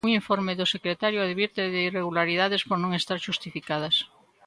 Un informe do secretario advirte de irregularidades por non estar xustificadas.